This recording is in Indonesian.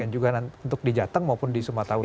juga untuk di jateng maupun di sumatera utara